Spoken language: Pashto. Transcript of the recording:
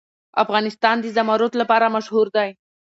افغانستان د زمرد لپاره مشهور دی.